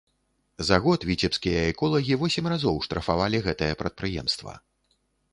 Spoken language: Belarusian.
За год віцебскія эколагі восем разоў штрафавалі гэтае прадпрыемства.